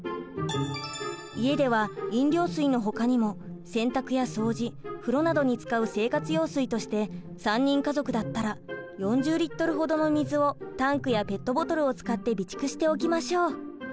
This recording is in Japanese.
家では飲料水のほかにも洗濯や掃除風呂などに使う生活用水として３人家族だったら４０リットルほどの水をタンクやペットボトルを使って備蓄しておきましょう。